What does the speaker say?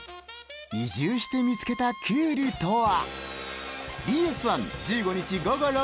移住して見つけたクールとは。